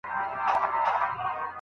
ته خو دا ټول کاينات خپله حافظه کې ساتې